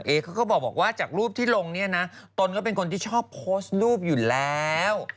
เขาก็บอกว่าจากรูปที่ลงเนี่ยนะตนก็เป็นคนที่ชอบโพสต์รูปอยู่แล้ว